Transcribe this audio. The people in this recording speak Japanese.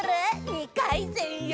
２かいせんよ！